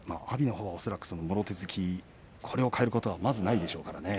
阿炎のほうは恐らくもろ手突きこれを変えることはないでしょうか。